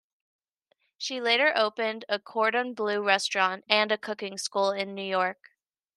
She later opened a Cordon Bleu restaurant and a cooking school in New York.